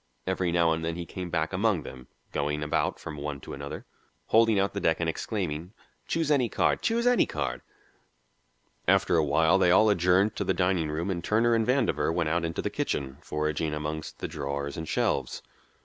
Every now and then he came back among them, going about from one to another, holding out the deck and exclaiming, "Choose any card choose any card." After a while they all adjourned to the dining room and Turner and Vandover went out into the kitchen, foraging among the drawers and shelves.